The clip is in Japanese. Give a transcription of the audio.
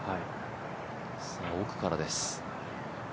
奥からです。